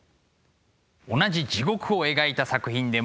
同じ地獄を描いた作品でも。